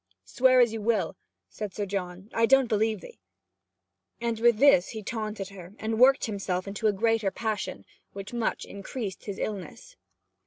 'Swear as you will,' said Sir John, 'I don't believe 'ee.' And with this he taunted her, and worked himself into a greater passion, which much increased his illness.